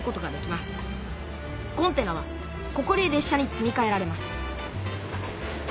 コンテナはここで列車に積みかえられます